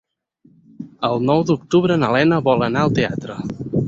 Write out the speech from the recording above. El nou d'octubre na Lena vol anar al teatre.